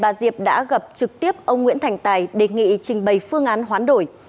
bà diệp đã gặp trực tiếp ông nguyễn thành tài đề nghị trình bày phương án hoán đổi